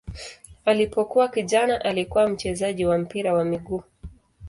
Alipokuwa kijana alikuwa mchezaji wa mpira wa miguu.